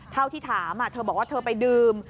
เท่าที่ถามเธอบอกว่าเธอไปดื่ม